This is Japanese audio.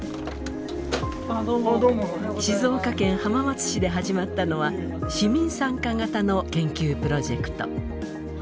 静岡県浜松市で始まったのは市民参加型の研究プロジェクト。